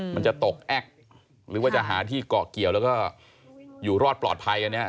มันจะตกแอ๊กหรือว่าจะหาที่เกาะเกี่ยวแล้วก็อยู่รอดปลอดภัยอันนี้